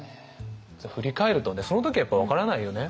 振り返るとその時はやっぱり分からないよね。